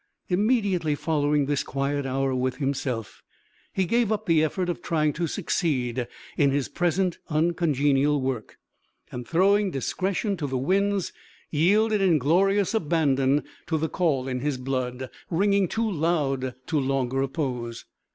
Immediately following this quiet hour with himself he gave up the effort of trying to succeed in his present uncongenial work, and throwing discretion to the winds, yielded in glorious abandon to the call in his blood, ringing too loud to longer oppose.